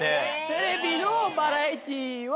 テレビのバラエティは。